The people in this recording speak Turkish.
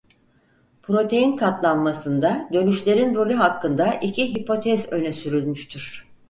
Protein katlanmasında dönüşlerin rolü hakkında iki hipotez öne sürülmüştür.